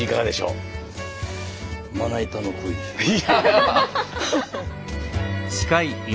まな板の鯉でしょうか。